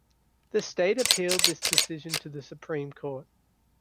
The state appealed this decision to the Supreme Court.